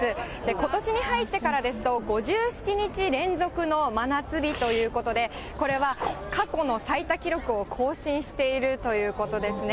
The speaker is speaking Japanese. ことしに入ってからですと５７日連続の真夏日ということで、これは過去の最多記録を更新しているということですね。